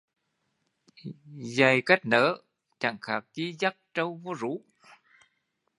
Dạy cách nớ chẳng khác chi dắt trâu vô rú